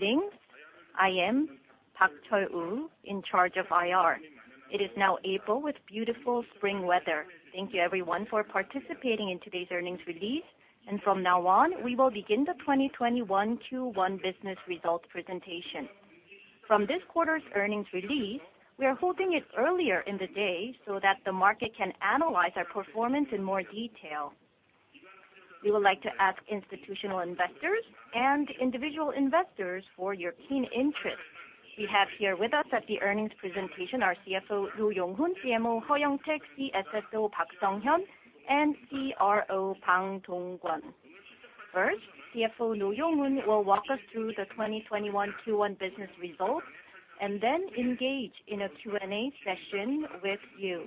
Greetings. I am Park Cheol-woo, in charge of IR. It is now April with beautiful spring weather. Thank you everyone for participating in today's earnings release. From now on, we will begin the 2021 Q1 business results presentation. From this quarter's earnings release, we are holding it earlier in the day so that the market can analyze our performance in more detail. We would like to ask institutional investors and individual investors for your keen interest. We have here with us at the earnings presentation our CFO Noh Yong-hoon, CMO Heo Young-taeg, CSO Park Sung-hyun, and CRO Bang Dong-kwon. First, CFO Noh Yong-hoon will walk us through the 2021 Q1 business results. Then engage in a Q&A session with you.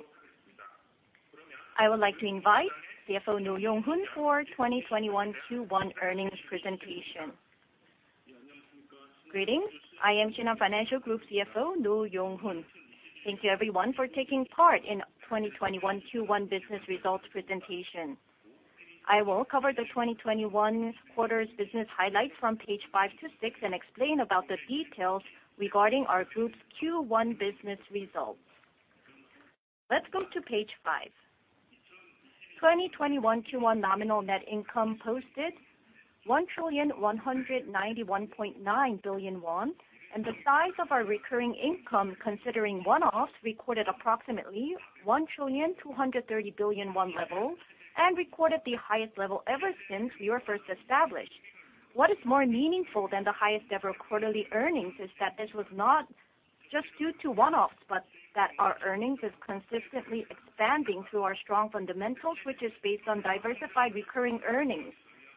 I would like to invite CFO Noh Yong-hoon for 2021 Q1 earnings presentation. Greetings. I am Shinhan Financial Group CFO, Noh Yong-hoon. Thank you everyone for taking part in 2021 Q1 business results presentation. I will cover the 2021 quarter's business highlights from page five to six and explain about the details regarding our group's Q1 business results. Let's go to page five. 2021 Q1 nominal net income posted 1,191.9 billion won, and the size of our recurring income, considering one-offs, recorded approximately 1,230 billion won level, and recorded the highest level ever since we were first established. What is more meaningful than the highest-ever quarterly earnings is that this was not just due to one-offs, but that our earnings is consistently expanding through our strong fundamentals, which is based on diversified recurring earnings.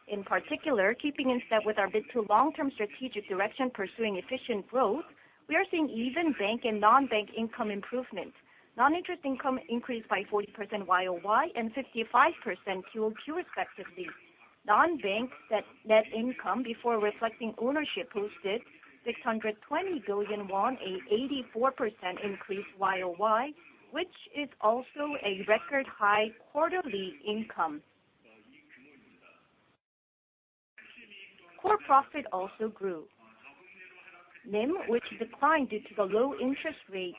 In particular, keeping in step with our mid to long-term strategic direction pursuing efficient growth, we are seeing even bank and non-bank income improvement. Non-interest income increased by 40% YOY and 55% QOQ respectively. Non-bank net income before reflecting ownership hosted 620 billion won, an 84% increase YOY, which is also a record high quarterly income. Core profit also grew. NIM, which declined due to the low interest rate,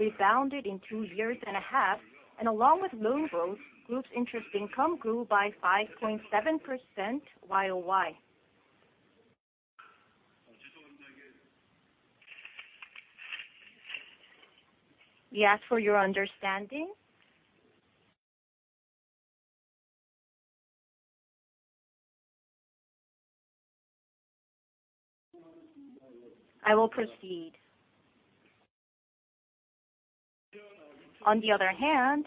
rebounded in two years and a half, and along with loan growth, group's interest income grew by 5.7% YOY. We ask for your understanding. I will proceed. On the other hand,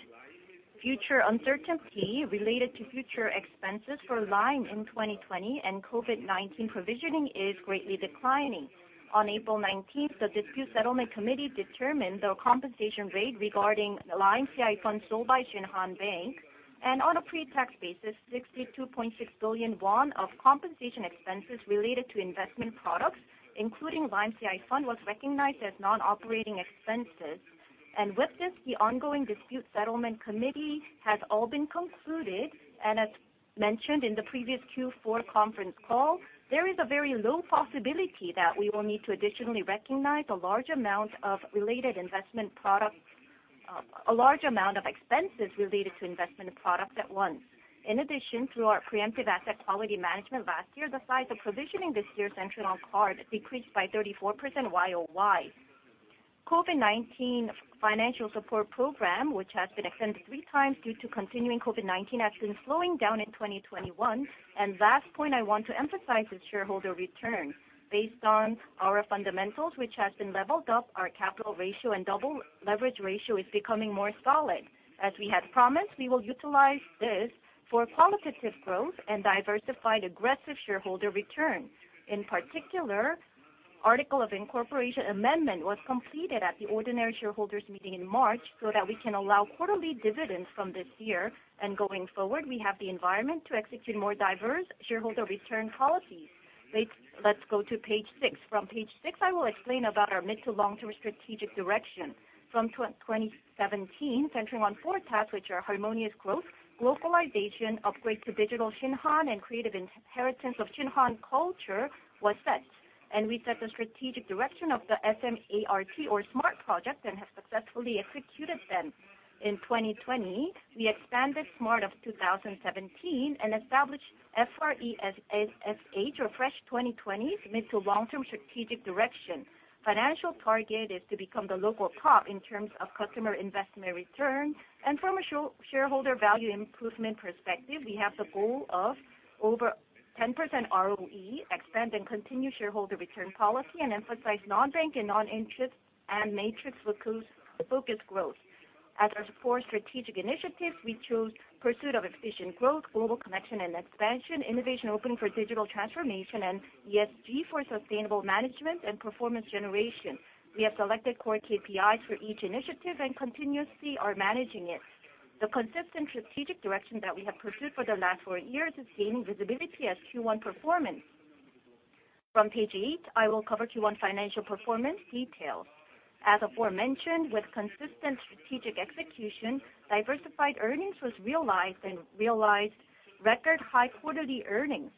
future uncertainty related to future expenses for Lime in 2020 and COVID-19 provisioning is greatly declining. On April 19th, the dispute settlement committee determined the compensation rate regarding the Lime CI funds sold by Shinhan Bank, and on a pre-tax basis, 62.6 billion won of compensation expenses related to investment products, including Lime CI fund, was recognized as non-operating expenses. With this, the ongoing dispute settlement committee has all been concluded, and as mentioned in the previous Q4 conference call, there is a very low possibility that we will need to additionally recognize a large amount of expenses related to investment product at once. In addition, through our preemptive asset quality management last year, the size of provisioning this year's Shinhan Card decreased by 34% YOY. COVID-19 financial support program, which has been extended three times due to continuing COVID-19, has been slowing down in 2021. Last point I want to emphasize is shareholder return. Based on our fundamentals, which has been leveled up, our capital ratio and double leverage ratio is becoming more solid. As we had promised, we will utilize this for qualitative growth and diversified aggressive shareholder return. In particular, article of incorporation amendment was completed at the ordinary shareholders meeting in March so that we can allow quarterly dividends from this year. Going forward, we have the environment to execute more diverse shareholder return policies. Let's go to page six. From page six, I will explain about our mid-to-long-term strategic direction. From 2017, centering on four tasks, which are harmonious growth, globalization, upgrade to digital Shinhan, and creative inheritance of Shinhan culture was set. We set the strategic direction of the S.M.A.R.T. or SMART project and have successfully executed them. In 2020, we expanded SMART of 2017 and established F.R.E.S.H. or FRESH 2020's mid-to-long-term strategic direction. Financial target is to become the local top in terms of customer investment return, and from a shareholder value improvement perspective, we have the goal of over 10% ROE, expand and continue shareholder return policy, and emphasize non-bank and non-interest and matrix-focused growth. As our four strategic initiatives, we chose pursuit of efficient growth, global connection and expansion, innovation open for digital transformation, and ESG for sustainable management and performance generation. We have selected core KPIs for each initiative and continuously are managing it. The consistent strategic direction that we have pursued for the last four years is gaining visibility as Q1 performance. From page eight, I will cover Q1 financial performance details. As aforementioned, with consistent strategic execution, diversified earnings were realized and realized record high quarterly earnings.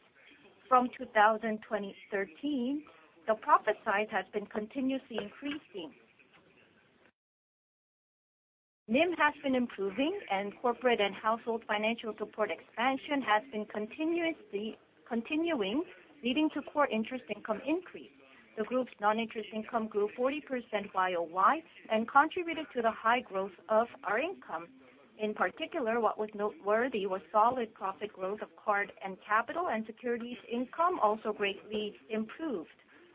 From 2013, the profit side has been continuously increasing. NIM has been improving, and corporate and household financial support expansion has been continuing, leading to core interest income increase. The group's non-interest income grew 40% YOY and contributed to the high growth of our income. In particular, what was noteworthy was solid profit growth of card and capital. Securities income also greatly improved.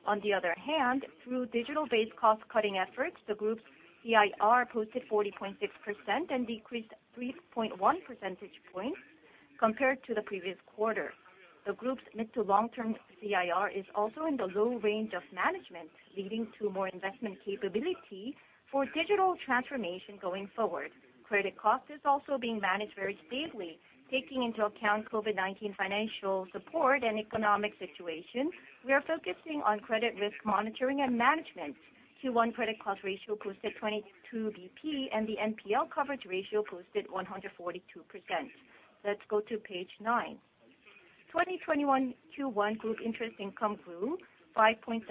On the other hand, through digital-based cost-cutting efforts, the group's CIR posted 40.6% and decreased 3.1 percentage points compared to the previous quarter. The group's mid to long-term CIR is also in the low range of management, leading to more investment capability for digital transformation going forward. Credit cost is also being managed very stably. Taking into account COVID-19 financial support and economic situation, we are focusing on credit risk monitoring and management. Q1 credit cost ratio posted 22 BP, and the NPL coverage ratio posted 142%. Let's go to page nine. 2021 Q1 group interest income grew 5.7%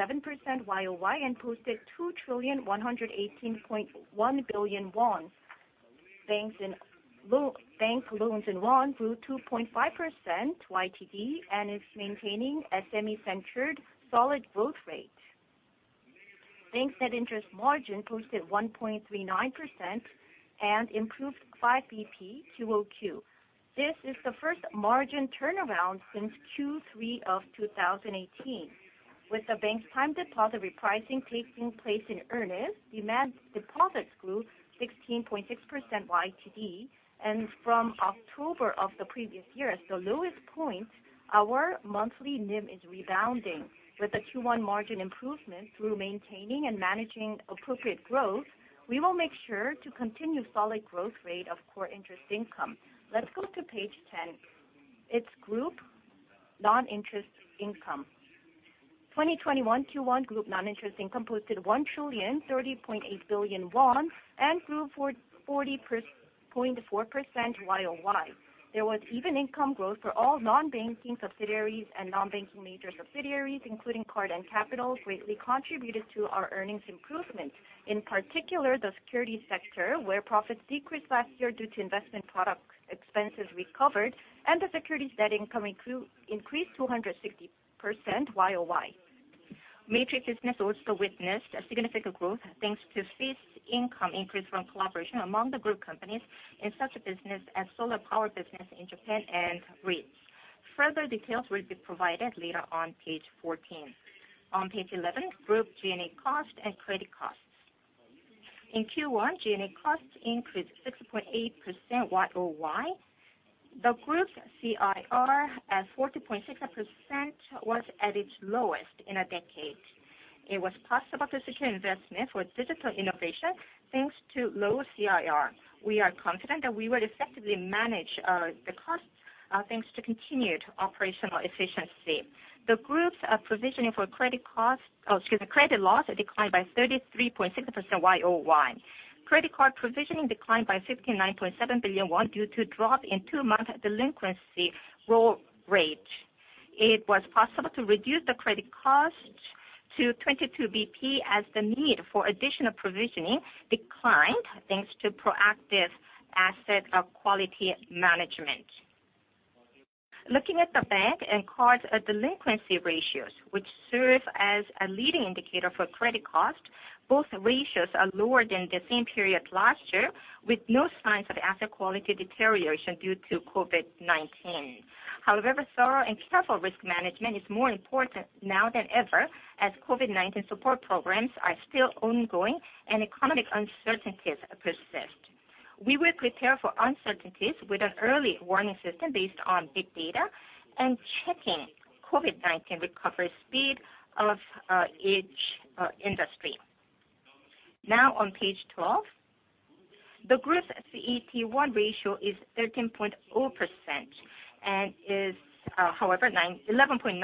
YOY and posted 2,118.1 billion won. Bank loans in KRW grew 2.5% YTD and is maintaining a semi-centered solid growth rate. Bank net interest margin posted 1.39% and improved 5 BP QOQ. This is the first margin turnaround since Q3 of 2018. With the bank's time deposit repricing taking place in earnest, demand deposits grew 16.6% YTD. From October of the previous year, the lowest point, our monthly NIM is rebounding. With the Q1 margin improvement through maintaining and managing appropriate growth, we will make sure to continue solid growth rate of core interest income. Let's go to page 10. It's group non-interest income. 2021 Q1 group non-interest income posted 1,030.8 billion won and grew 40.4% YOY. There was even income growth for all non-banking subsidiaries and non-banking major subsidiaries, including card and capital, greatly contributed to our earnings improvement. In particular, the securities sector, where profits decreased last year due to investment product expenses recovered and the securities net income increased 260% YOY. Matrix business also witnessed a significant growth, thanks to fees income increase from collaboration among the group companies in such business as solar power business in Japan and REITs. Further details will be provided later on page 14. On page 11, group G&A cost and credit cost. In Q1, G&A cost increased 6.8% YOY. The group's CIR at 40.6% was at its lowest in a decade. It was possible to secure investment for digital innovation, thanks to low CIR. We are confident that we would effectively manage the cost, thanks to continued operational efficiency. The group's provisioning for credit loss declined by 33.6% YOY. Credit card provisioning declined by 59.7 billion won due to drop in two-month delinquency roll rate. It was possible to reduce the credit cost to 22 BP as the need for additional provisioning declined, thanks to proactive asset quality management. Looking at the bank and card delinquency ratios, which serve as a leading indicator for credit cost, both ratios are lower than the same period last year, with no signs of asset quality deterioration due to COVID-19. However, thorough and careful risk management is more important now than ever, as COVID-19 support programs are still ongoing and economic uncertainties persist. We will prepare for uncertainties with an early warning system based on big data and checking COVID-19 recovery speed of each industry. Now on page 12. The group CET1 ratio is 13.0% and is, however, 11.9%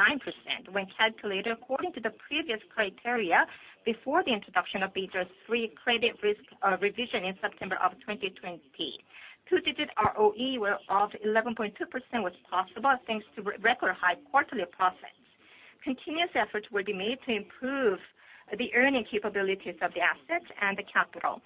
when calculated according to the previous criteria before the introduction of Basel III credit risk revision in September of 2020. Two-digit ROE of 11.2% was possible, thanks to record high quarterly profits. Continuous efforts will be made to improve the earning capabilities of the assets and the capital.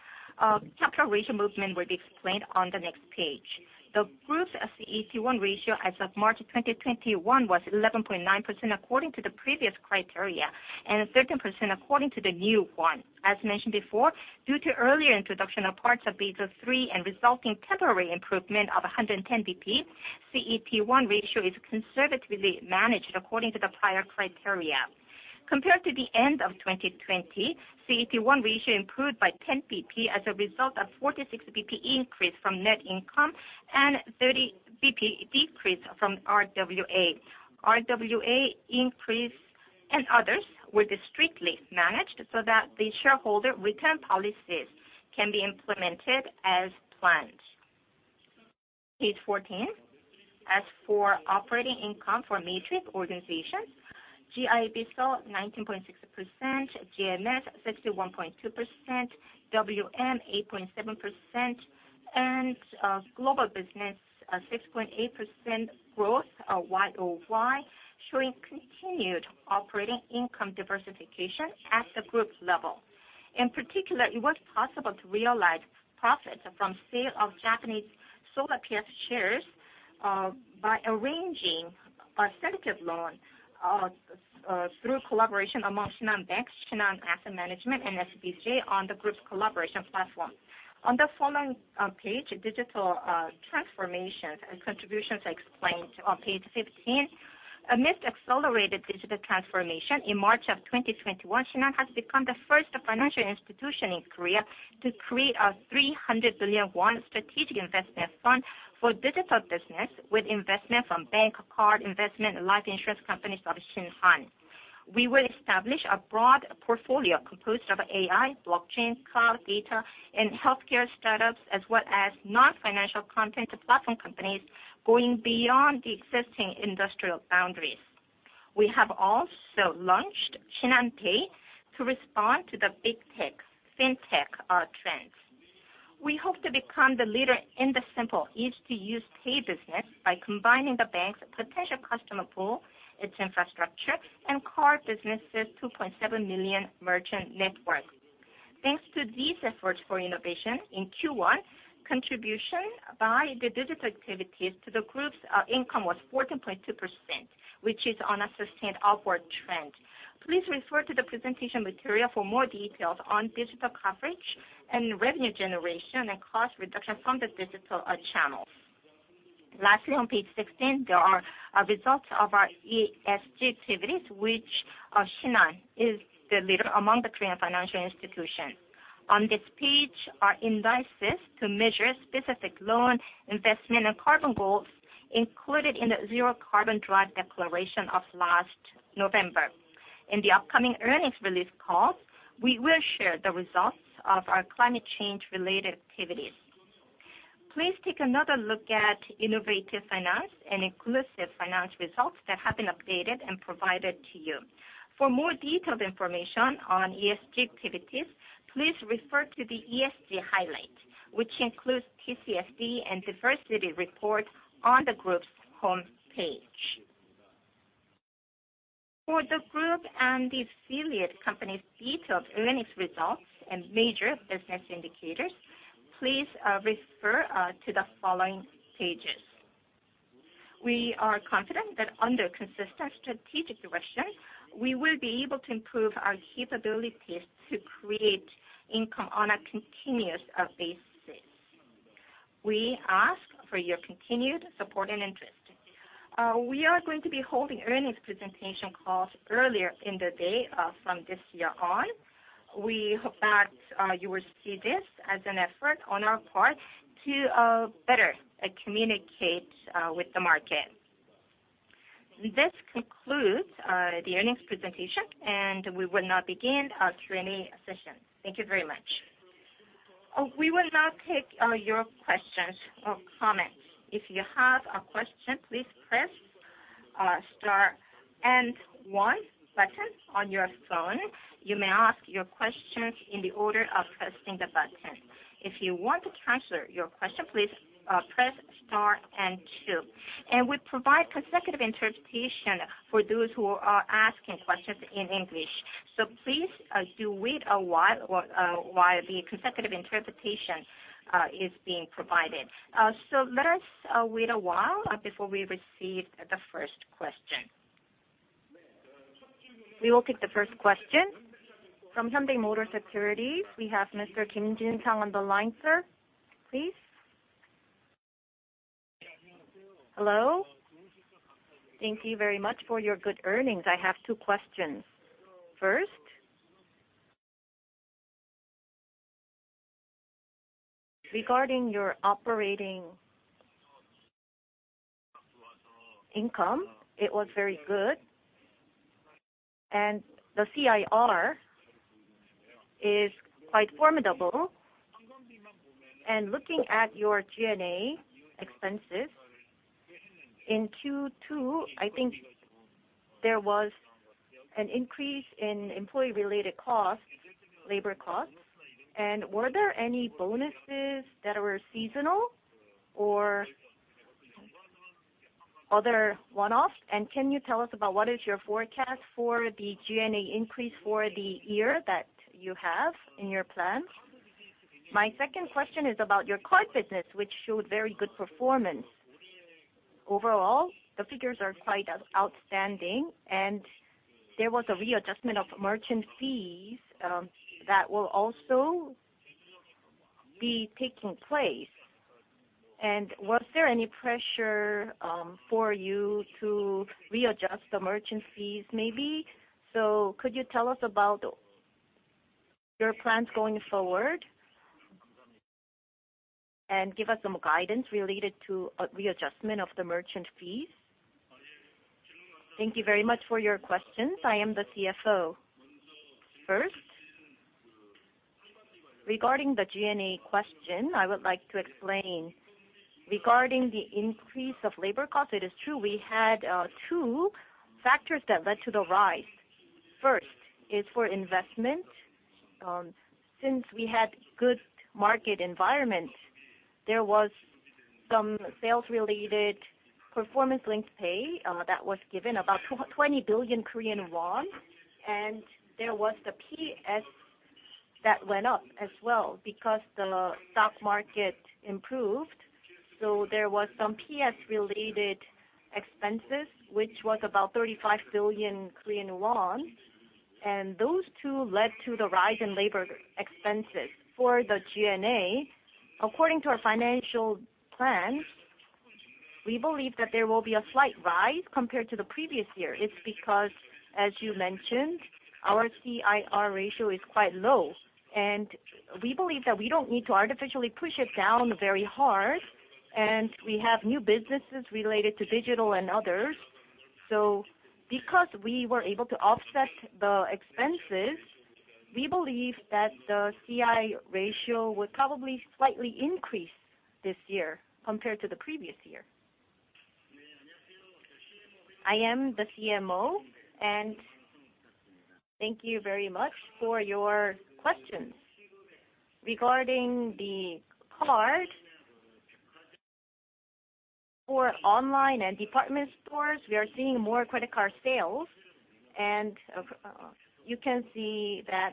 Capital ratio movement will be explained on the next page. The group's CET1 ratio as of March 2021 was 11.9% according to the previous criteria and 13% according to the new one. As mentioned before, due to earlier introduction of parts of Basel III and resulting temporary improvement of 110 BP, CET1 ratio is conservatively managed according to the prior criteria. Compared to the end of 2020, CET1 ratio improved by 10 BP as a result of 46 BP increase from net income and 30 BP decrease from RWA. RWA increase and others were strictly managed so that the shareholder return policies can be implemented as planned. Page 14. As for operating income for matrix organizations, GIB sell 19.6%, GMS 61.2%, WM 8.7%, Global business 6.8% growth year-over-year, showing continued operating income diversification at the group level. In particular, it was possible to realize profits from sale of Japanese SolarPS shares by arranging a syndicate loan through collaboration among Shinhan Bank, Shinhan Asset Management, and SBJ on the group's collaboration platform. On the following page, digital transformations and contributions are explained on page 15. Amidst accelerated digital transformation in March 2021, Shinhan has become the first financial institution in Korea to create a 300 billion won strategic investment fund for digital business with investment from Bank, Card Investment, and Life Insurance companies of Shinhan. We will establish a broad portfolio composed of AI, blockchain, cloud data, and healthcare startups, as well as non-financial content platform companies going beyond the existing industrial boundaries. We have also launched Shinhan Pay to respond to the big tech, fintech trends. We hope to become the leader in the simple, easy-to-use pay business by combining the Bank's potential customer pool, its infrastructure, and Card business' 2.7 million merchant network. Thanks to these efforts for innovation in Q1, contribution by the digital activities to the group's income was 14.2%, which is on a sustained upward trend. Please refer to the presentation material for more details on digital coverage and revenue generation and cost reduction from the digital channels. Lastly, on page 16, there are results of our ESG activities, which Shinhan is the leader among the Korean financial institutions. On this page are indices to measure specific loan investment and carbon goals included in the Zero Carbon Drive Declaration of last November. In the upcoming earnings release call, we will share the results of our climate change-related activities. Please take another look at innovative finance and inclusive finance results that have been updated and provided to you. For more detailed information on ESG activities, please refer to the TCFD highlight, which includes TCFD and diversity report on the group's home page. For the group and the affiliate companies' detailed earnings results and major business indicators, please refer to the following pages. We are confident that under consistent strategic direction, we will be able to improve our capabilities to create income on a continuous basis. We ask for your continued support and interest. We are going to be holding earnings presentation calls earlier in the day from this year on. We hope that you will see this as an effort on our part to better communicate with the market. This concludes the earnings presentation, and we will now begin our Q&A session. Thank you very much. We will now take your questions or comments. If you have a question, please press star and one button on your phone. You may ask your questions in the order of pressing the button. If you want to transfer your question, please press star and two, and we provide consecutive interpretation for those who are asking questions in English. Please do wait a while the consecutive interpretation is being provided. Let us wait a while before we receive the first question. We will take the first question from Hyundai Motor Securities. We have Mr. Kim Jin-chang on the line, sir. Please. Hello. Thank you very much for your good earnings. I have two questions. First, regarding your operating income, it was very good, and the CIR is quite formidable. Looking at your G&A expenses in Q2, I think there was an increase in employee-related costs, labor costs. Were there any bonuses that were seasonal or other one-offs? Can you tell us about what is your forecast for the G&A increase for the year that you have in your plans? My second question is about your card business, which showed very good performance. Overall, the figures are quite outstanding, and there was a readjustment of merchant fees that will also be taking place. Was there any pressure for you to readjust the merchant fees, maybe? Could you tell us about your plans going forward and give us some guidance related to readjustment of the merchant fees? Thank you very much for your questions. I am the CFO. Regarding the G&A question, I would like to explain. Regarding the increase of labor cost, it is true we had two factors that led to the rise. First, is for investment. Since we had good market environment, there was some sales-related performance link pay that was given, about 20 billion Korean won, and there was the PS that went up as well because the stock market improved. There was some PS-related expenses, which was about 35 billion Korean won, and those two led to the rise in labor expenses. For the G&A, according to our financial plan, we believe that there will be a slight rise compared to the previous year. It is because, as you mentioned, our CIR ratio is quite low, and we believe that we do not need to artificially push it down very hard. We have new businesses related to digital and others. Because we were able to offset the expenses, we believe that the CIR ratio will probably slightly increase this year compared to the previous year. I am the CMO and thank you very much for your questions. Regarding the card, for online and department stores, we are seeing more credit card sales, and you can see that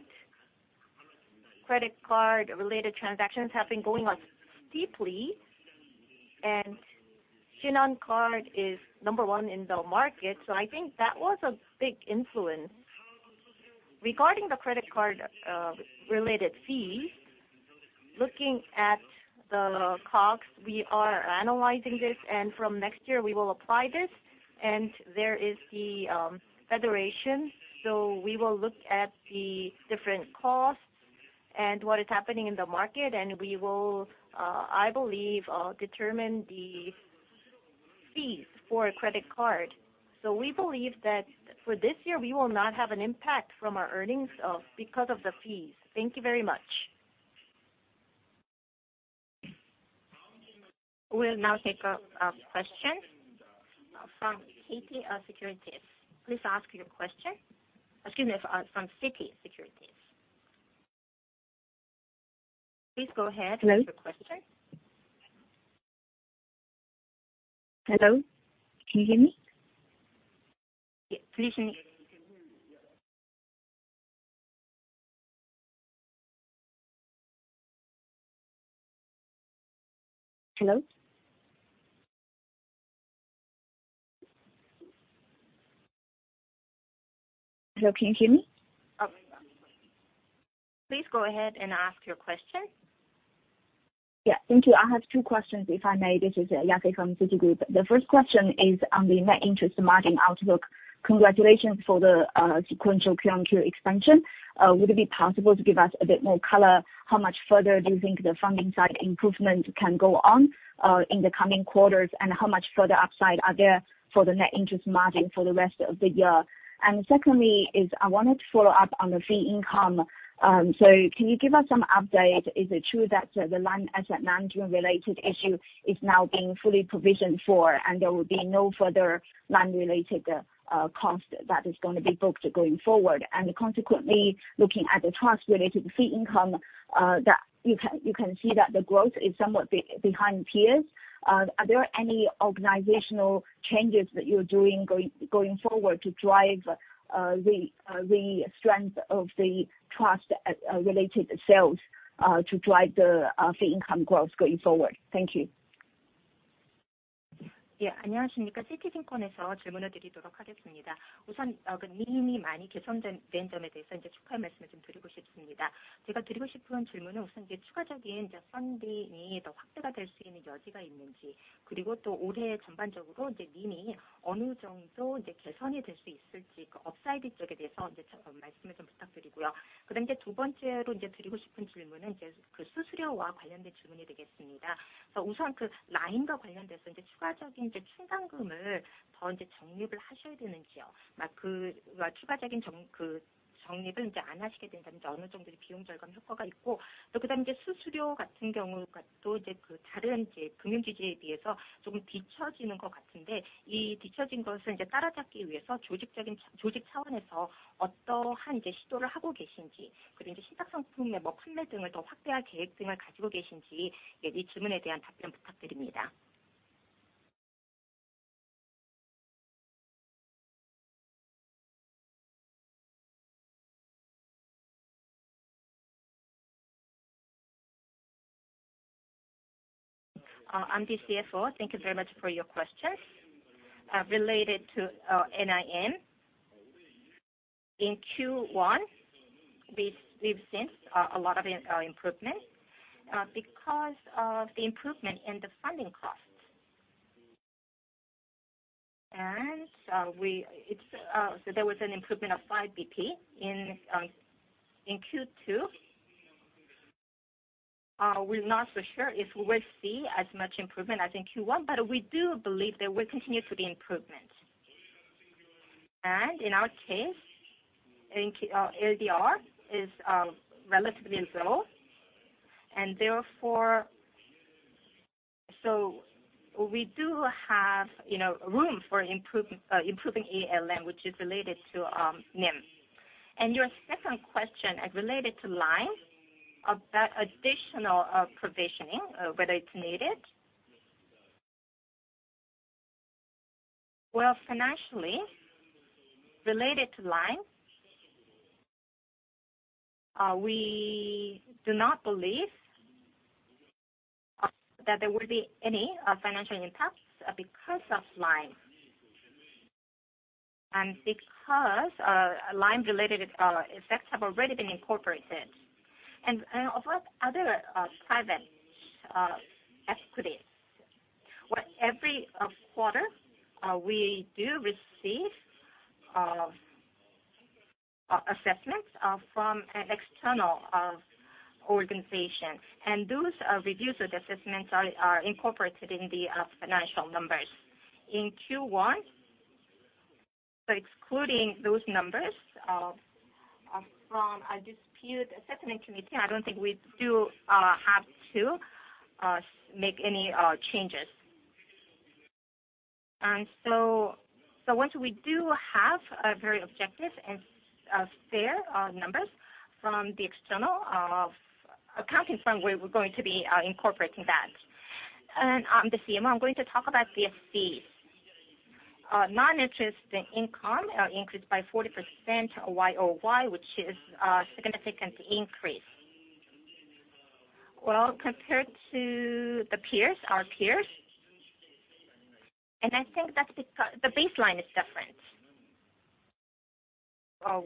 credit card-related transactions have been going up steeply, and Shinhan Card is number one in the market. I think that was a big influence. Regarding the credit card-related fees, looking at the costs, we are analyzing this, and from next year, we will apply this. There is the federation. We will look at the different costs and what is happening in the market, and we will, I believe, determine the fees for a credit card. We believe that for this year, we will not have an impact from our earnings because of the fees. Thank you very much. We'll now take a question from KP Securities. Please ask your question. Excuse me, from Citi Securities. Please go ahead with your question. Hello? Can you hear me? Yes, please We can hear you, yes. Hello? Hello, can you hear me? Please go ahead and ask your question. Yeah, thank you. I have two questions, if I may. This is Yafei Tian from Citigroup. The first question is on the net interest margin outlook. Congratulations for the sequential QOQ expansion. Would it be possible to give us a bit more color? How much further do you think the funding side improvement can go on in the coming quarters, and how much further upside are there for the net interest margin for the rest of the year? Secondly, I wanted to follow up on the fee income. Can you give us some update? Is it true that the Lime Asset Management-related issue is now being fully provisioned for and there will be no further Lime-related cost that is going to be booked going forward? Consequently, looking at the trust-related fee income, you can see that the growth is somewhat behind peers. Are there any organizational changes that you're doing going forward to drive the strength of the trust-related sales to drive the fee income growth going forward? Thank you. I'm the CFO. Thank you very much for your questions. Related to NIM, in Q1, we've seen a lot of improvement because of the improvement in the funding cost. There was an improvement of five BP in Q2. We're not so sure if we'll see as much improvement as in Q1. We do believe there will continue to be improvement. In our case, LDR is relatively low. Therefore, we do have room for improving ALM, which is related to NIM. Your second question related to Lime about additional provisioning, whether it's needed. Well, financially, related to Lime, we do not believe that there will be any financial impacts because of Lime and because Lime-related effects have already been incorporated. About other private equities, every quarter, we do receive assessments from an external organization, and those reviews or assessments are incorporated in the financial numbers. Excluding those numbers from a dispute assessment committee, I don't think we do have to make any changes. Once we do have very objective and fair numbers from the external accounting firm, we're going to be incorporating that. I am the CMO, I'm going to talk about the fees. Non-interest income increased by 40% YOY, which is a significant increase. Well, compared to our peers, and I think that's because the baseline is different,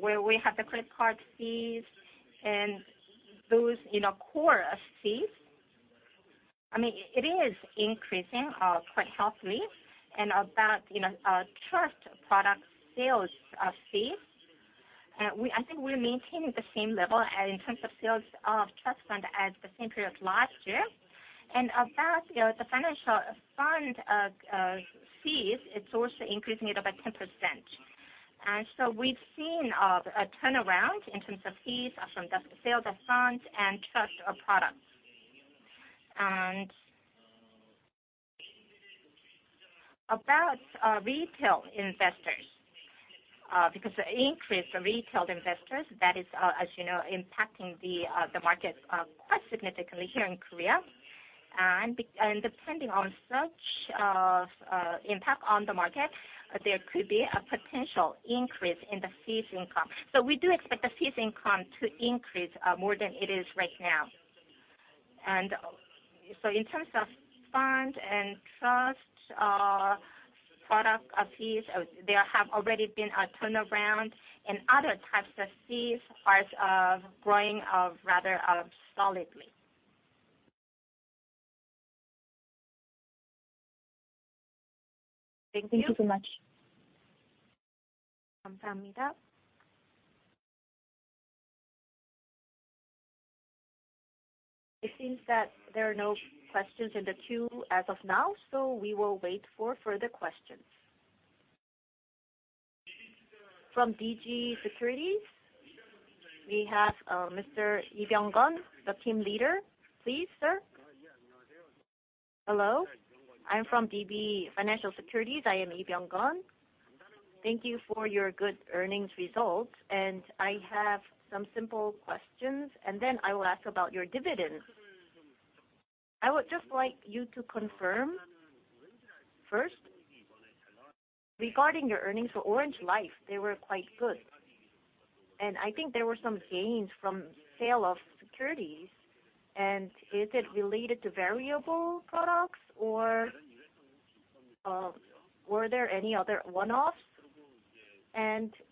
where we have the credit card fees and those core fees. It is increasing quite healthily and about trust product sales fees, I think we're maintaining the same level in terms of sales of trust fund as the same period last year. About the financial fund fees, it's also increasing by 10%. We've seen a turnaround in terms of fees from the sale of funds and trust products. About retail investors, because the increase of retail investors, that is, as you know, impacting the market quite significantly here in Korea. Depending on such impact on the market, there could be a potential increase in the fees income. We do expect the fees income to increase more than it is right now. In terms of fund and trust product fees, there have already been a turnaround, and other types of fees are growing rather solidly. Thank you. Thank you so much. It seems that there are no questions in the queue as of now, so we will wait for further questions. From DB Securities, we have Mr. Lee Byung-gon, the Team Leader. Please, sir. Hello, I'm from DB Financial Investment. I am Lee Byung-gon. Thank you for your good earnings results. I have some simple questions. Then I will ask about your dividends. I would just like you to confirm first, regarding your earnings for Orange Life, they were quite good. I think there were some gains from sale of securities. Is it related to variable products, or were there any other one-offs?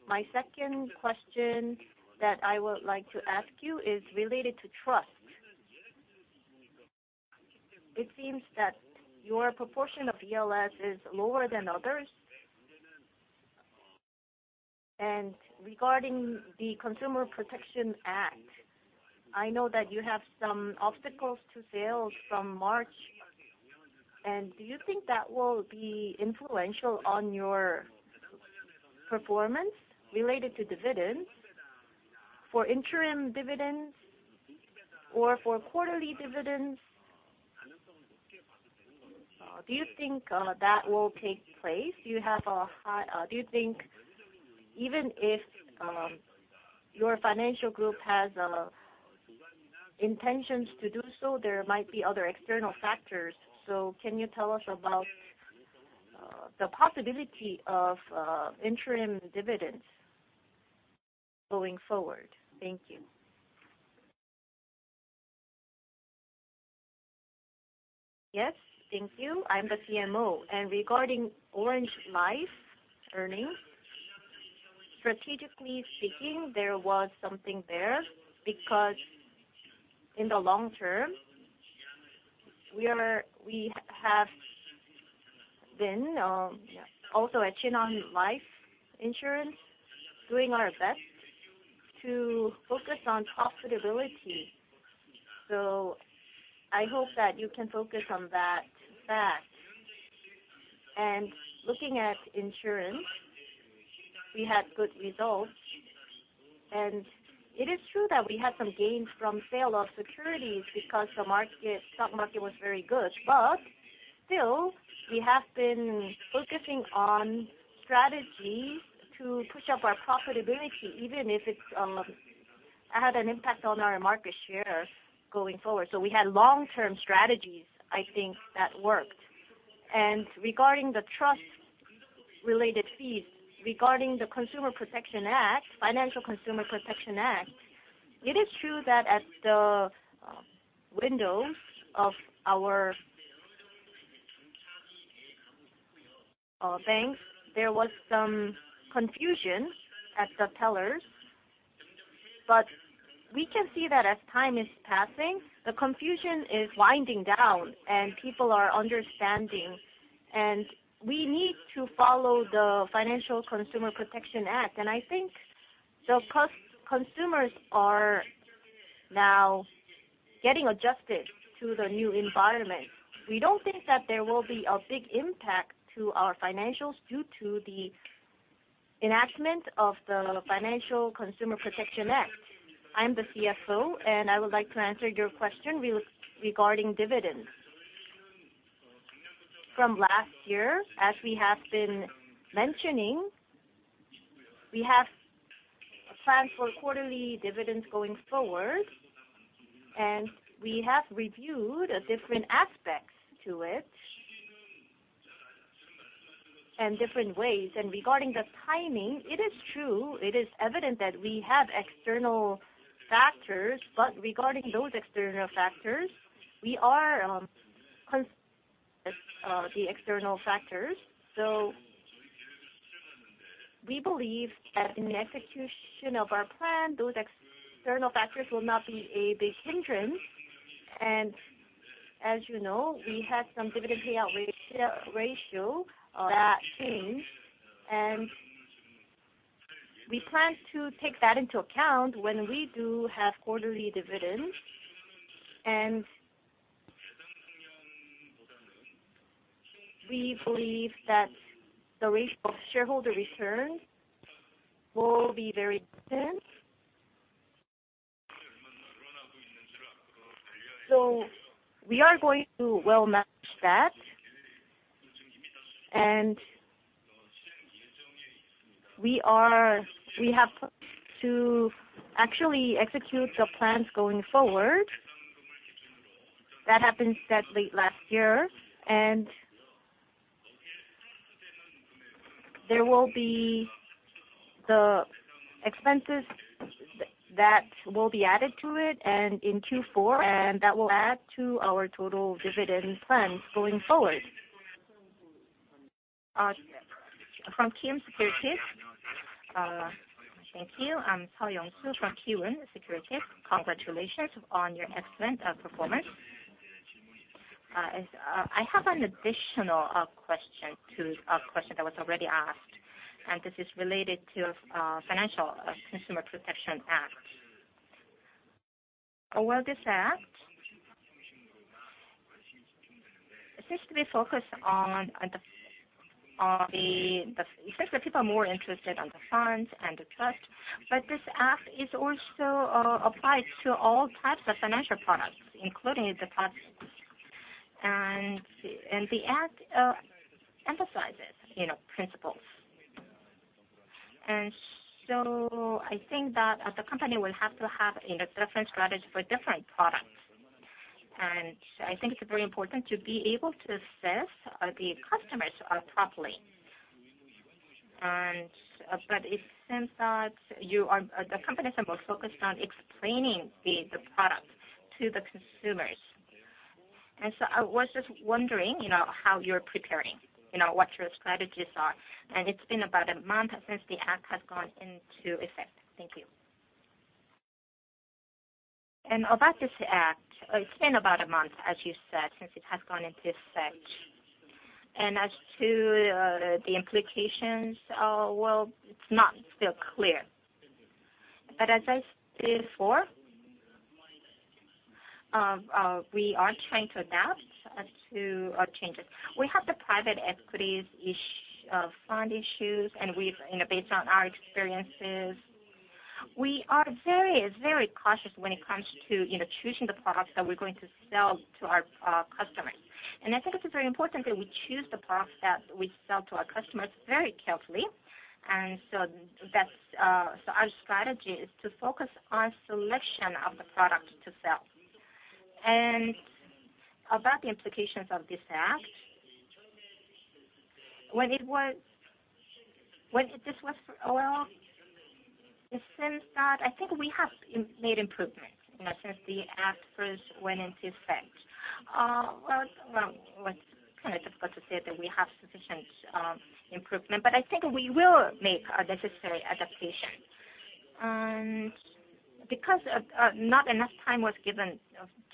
My second question that I would like to ask you is related to trust. It seems that your proportion of ELS is lower than others. Regarding the Consumer Protection Act, I know that you have some obstacles to sales from March. Do you think that will be influential on your performance related to dividends for interim dividends or for quarterly dividends? Do you think that will take place? Do you think even if your financial group has intentions to do so, there might be other external factors? Can you tell us about the possibility of interim dividends going forward? Thank you. Yes. Thank you. I'm the CMO. Regarding Orange Life earnings, strategically speaking, there was something there because in the long term, we have been also at Shinhan Life Insurance, doing our best to focus on profitability. I hope that you can focus on that fact. Looking at insurance, we had good results, and it is true that we had some gains from sale of securities because the stock market was very good, but still, we have been focusing on strategies to push up our profitability, even if it had an impact on our market share going forward. We had long-term strategies, I think, that worked. Regarding the trust-related fees, regarding the Financial Consumer Protection Act, it is true that at the windows of our banks, there was some confusion at the tellers. We can see that as time is passing, the confusion is winding down, and people are understanding. We need to follow the Financial Consumer Protection Act, and I think the consumers are now getting adjusted to the new environment. We don't think that there will be a big impact to our financials due to the enactment of the Financial Consumer Protection Act. I'm the CFO. I would like to answer your question regarding dividends. From last year, as we have been mentioning, we have plans for quarterly dividends going forward. We have reviewed different aspects to it and different ways. Regarding the timing, it is true, it is evident that we have external factors. Regarding those external factors, we are considering the external factors. We believe that in the execution of our plan, those external factors will not be a big hindrance. As you know, we had some dividend payout ratio that changed. We plan to take that into account when we do have quarterly dividends. We believe that the rate of shareholder return will be very different. We are going to well-manage that. We have to actually execute the plans going forward. That happened sadly last year, and there will be the expenses that will be added to it in Q4, and that will add to our total dividend plans going forward. From Kiwoom Securities. Thank you. I'm Seo Young-su from Kiwoom Securities. Congratulations on your excellent performance. I have an additional question to a question that was already asked, and this is related to Financial Consumer Protection Act. It seems that people are more interested on the funds and the trust, but this act is also applied to all types of financial products, including deposits. The Act emphasizes principles. I think that the company will have to have a different strategy for different products. I think it's very important to be able to assess the customers properly. It seems that the companies are more focused on explaining the product to the consumers. I was just wondering how you're preparing, what your strategies are. It's been about a month since the Act has gone into effect. Thank you. About this Act, it's been about a month, as you said, since it has gone into effect. As to the implications, well, it's not still clear. As I stated before, we are trying to adapt to changes. We have the private equity fund issues, and based on our experiences, we are very cautious when it comes to choosing the products that we're going to sell to our customers. I think it is very important that we choose the products that we sell to our customers very carefully. Our strategy is to focus on selection of the product to sell. About the implications of this Act, it seems that I think we have made improvements since the Act first went into effect. Well, it's difficult to say that we have sufficient improvement, but I think we will make necessary adaptations. Because not enough time was given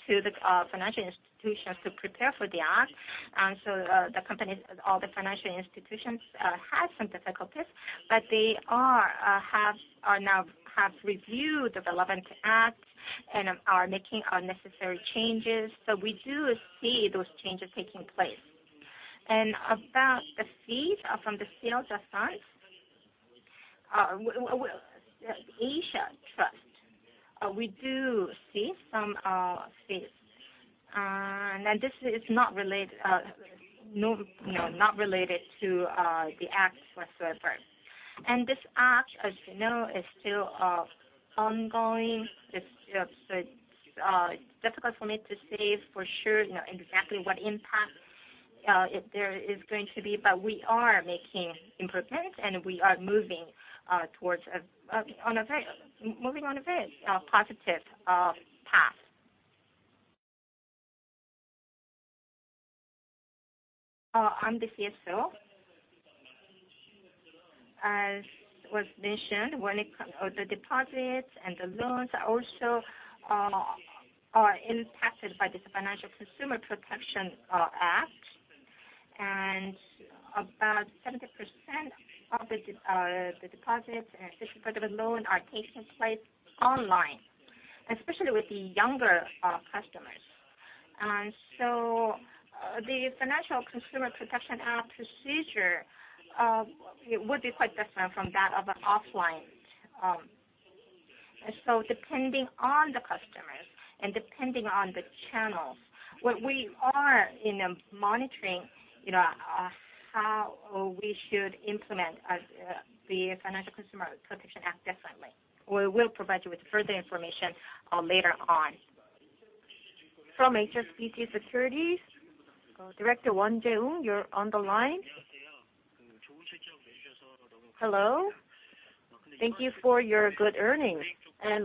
to the financial institutions to prepare for the Act, the companies, all the financial institutions, had some difficulties, but they now have reviewed the relevant Acts and are making necessary changes. We do see those changes taking place. About the fees from the sales aside, Asia Trust, we do see some fees. This is not related to the act whatsoever. This act, as you know, is still ongoing. It's difficult for me to say for sure exactly what impact there is going to be, but we are making improvements, and we are moving on a very positive path. I am the CFO, as was mentioned, when it comes to the deposits and the loans are also impacted by this Financial Consumer Protection Act, and about 70% of the deposits and 50% of the loan are taking place online, especially with the younger customers. The Financial Consumer Protection Act procedure would be quite different from that of an offline. Depending on the customers and depending on the channels, what we are monitoring, how we should implement the Financial Consumer Protection Act differently. We will provide you with further information later on. From HSBC Securities, Director Won Jae-yong, you are on the line. Hello. Thank you for your good earnings.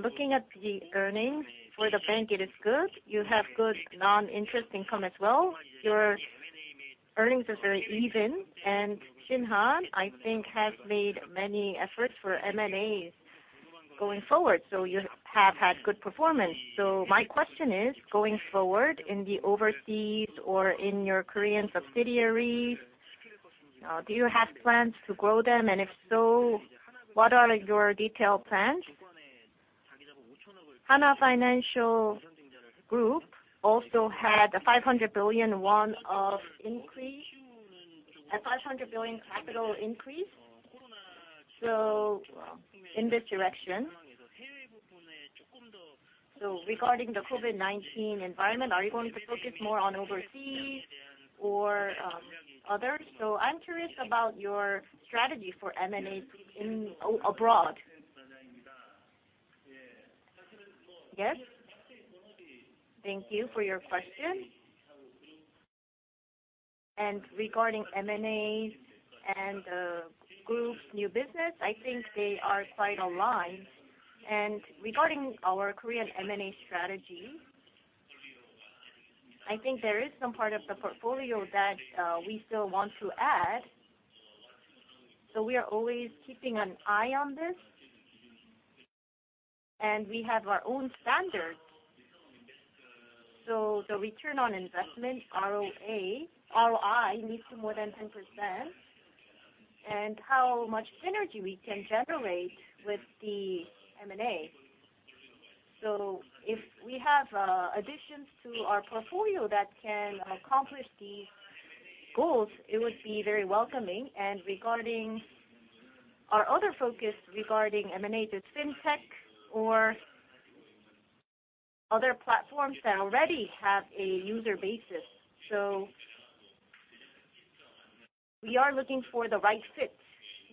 Looking at the earnings for the bank, it is good. You have good non-interest income as well. Your earnings are very even, and Shinhan, I think, has made many efforts for M&As going forward, so you have had good performance. My question is, going forward in the overseas or in your Korean subsidiaries, do you have plans to grow them? If so, what are your detailed plans? Hana Financial Group also had a 500 billion won of increase, a 500 billion capital increase. In this direction, regarding the COVID-19 environment, are you going to focus more on overseas or others? I'm curious about your strategy for M&A abroad. Yes. Thank you for your question. Regarding M&A and the group's new business, I think they are quite aligned. Regarding our Korean M&A strategy, I think there is some part of the portfolio that we still want to add. We are always keeping an eye on this, and we have our own standards. The return on investment, ROI, needs to be more than 10%, and how much synergy we can generate with the M&A. If we have additions to our portfolio that can accomplish these goals, it would be very welcoming. Regarding our other focus regarding M&A to fintech or other platforms that already have a user basis. We are looking for the right fit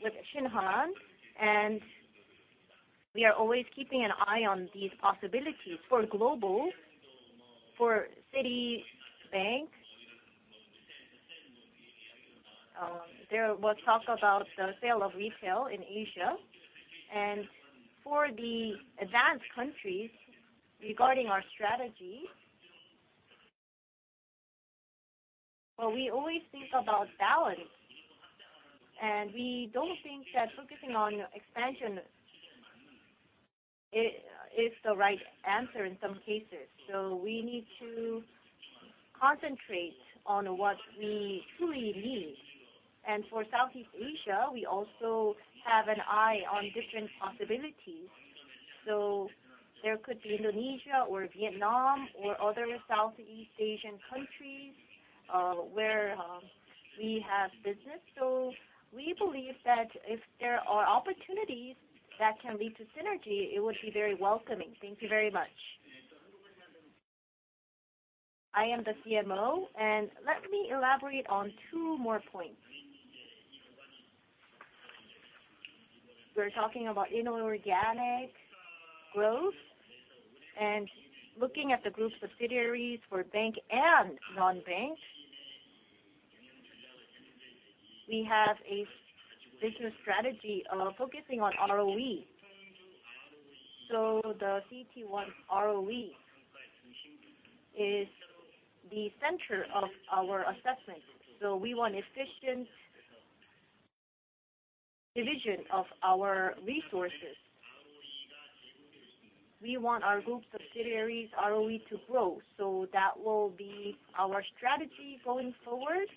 with Shinhan, and we are always keeping an eye on these possibilities. For global, for Citibank, there was talk about the sale of retail in Asia. For the advanced countries, regarding our strategy, well, we always think about balance, and we don't think that focusing on expansion is the right answer in some cases. We need to concentrate on what we truly need. For Southeast Asia, we also have an eye on different possibilities. There could be Indonesia or Vietnam or other Southeast Asian countries, where we have business. We believe that if there are opportunities that can lead to synergy, it would be very welcoming. Thank you very much. I am the CMO, and let me elaborate on two more points. We're talking about inorganic growth and looking at the group subsidiaries for bank and non-bank. We have a business strategy of focusing on ROE. The CET1 ROE is the center of our assessment. We want efficient division of our resources. We want our group subsidiaries' ROE to grow. That will be our strategy going forward,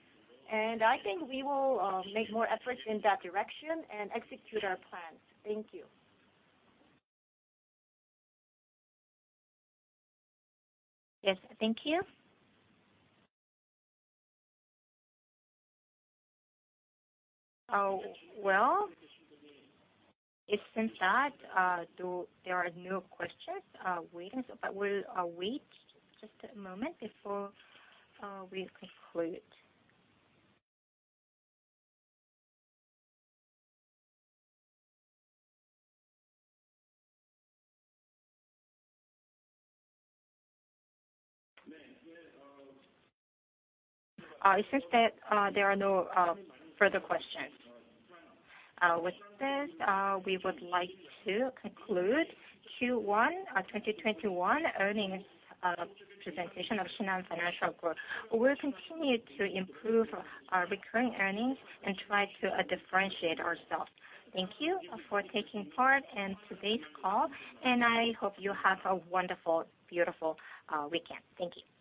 and I think we will make more efforts in that direction and execute our plans. Thank you. Yes, thank you. Well, it seems that there are no questions waiting, I will wait just a moment before we conclude. It seems that there are no further questions. With this, we would like to conclude Q1 2021 earnings presentation of Shinhan Financial Group. We'll continue to improve our recurring earnings and try to differentiate ourselves. Thank you for taking part in today's call, and I hope you have a wonderful, beautiful weekend. Thank you.